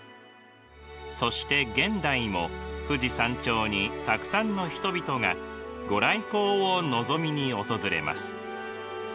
そして現代も富士山頂にたくさんの人々が御来光を望みに訪れます。